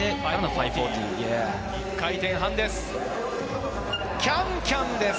１回転半です。